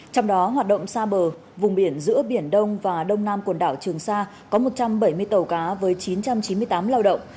trong đó hoạt động xa bờ vùng biển giữa biển đông và đông nam quần đảo trường sa có một trăm bảy mươi tàu cá với chín trăm chín mươi tám lao động